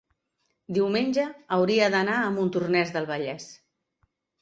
diumenge hauria d'anar a Montornès del Vallès.